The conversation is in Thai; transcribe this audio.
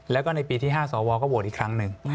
แล้วก็ในปีที่๕สวก็โหวตอีกครั้งหนึ่ง